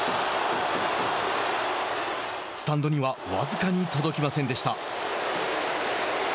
スタンドには僅かに届きませんでした。